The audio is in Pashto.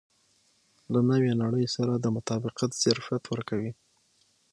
له نوې نړۍ سره د مطابقت ظرفیت ورکوي.